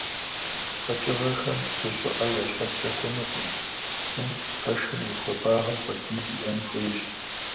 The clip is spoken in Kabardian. Къэкӏыгъэхэм псы щӏыӏэ ящӏэпкӏэ хъунукъым, псым пэшым и хуэбагъым хуэдиз иӏэн хуейщ.